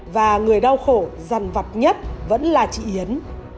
và người đau khổ dằn vặt nhất vẫn là chị yến